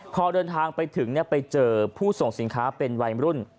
พอเดินทางไปถึงไปเจอผู้ส่งสินค้าเป็นวัยรุ่น